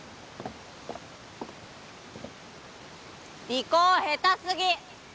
尾行下手すぎ！